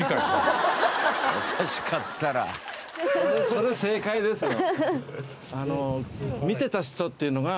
それ正解ですよ。